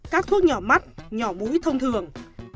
các thuốc nhỏ mắt nhỏ mũi thông thường